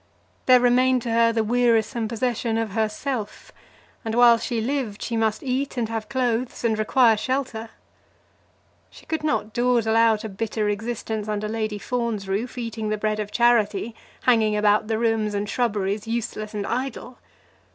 There remained to her the wearisome possession of herself, and while she lived she must eat, and have clothes, and require shelter. She could not dawdle out a bitter existence under Lady Fawn's roof, eating the bread of charity, hanging about the rooms and shrubberies useless and idle.